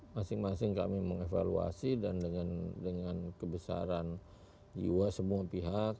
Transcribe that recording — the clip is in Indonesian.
masing masing kami mengevaluasi dan dengan kebesaran jiwa semua pihak